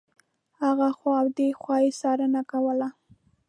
هخوا او دېخوا یې څارنه کوله.